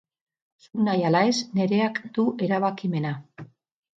Zuk nahi ala ez Nereak du erabakimena.